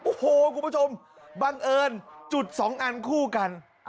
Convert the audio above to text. โอ้โหคุณผู้ชมบังเอิญจุดสองอันคู่กัน